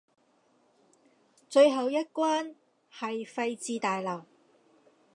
最後一關喺廢置大樓